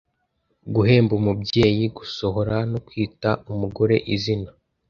guhemba umubyeyi, gusohora no kwita umugoreizina